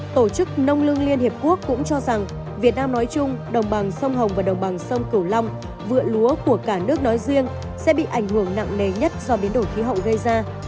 tổ chức nông lương liên hiệp quốc cũng cho rằng việt nam nói chung đồng bằng sông hồng và đồng bằng sông cửu long vựa lúa của cả nước nói riêng sẽ bị ảnh hưởng nặng nề nhất do biến đổi khí hậu gây ra